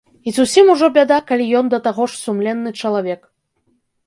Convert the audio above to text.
І зусім ужо бяда, калі ён да таго ж сумленны чалавек.